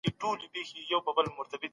عمل نامې به خلاصې شي.